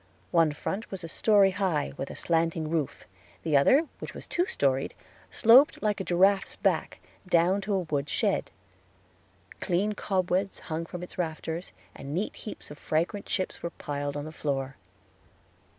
One front was a story high, with a slanting roof; the other, which was two storied, sloped like a giraffe's back, down to a wood shed. Clean cobwebs hung from its rafters, and neat heaps of fragrant chips were piled on the floor.